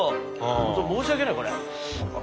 本当申し訳ないこれ。